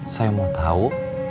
saya mau tau